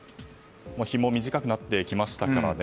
日も短くなってきましたからね。